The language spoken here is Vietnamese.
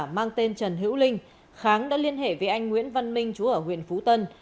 mang tên trần hữu linh kháng đã liên hệ với anh nguyễn văn minh chú ở huyện phú tân